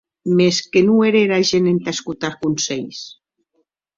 Mès que non ère era gent entà escotar conselhs!